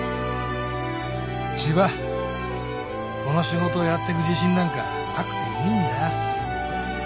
この仕事をやってく自信なんかなくていいんだよ